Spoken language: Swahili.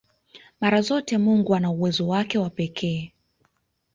Mara zote Mungu ana uwezo wake wa pekee